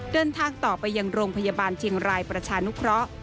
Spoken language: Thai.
เดินทางต่อไปยังโรงพยาบาลเชียงรายประชานุเคราะห์